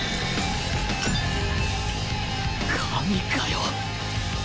神かよ。